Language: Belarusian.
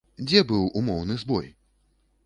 Дзе быў умоўны збой?